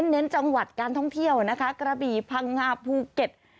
เน้นจังหวัดการท่องเที่ยวนะคะกระบี่พังงาภูเก็ต